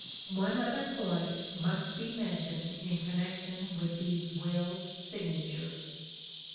One other point must be mentioned in connection Missing with these will signatures.